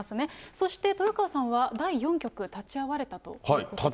そして豊川さんは第４局、立ち会われたということですね。